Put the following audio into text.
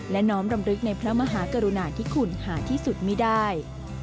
และน้อมรำลึกในพระมหากรุณาที่คุณหาที่สุดไม่ได้